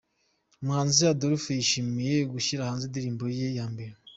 Umuhanzi Adolphe yishimiye gushyira hanze indirimbo ye ya mbere.